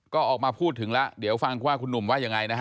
ก็ออกมาพูดถึงแล้วเดี๋ยวฟังว่าคุณหนุ่มว่ายังไงนะฮะ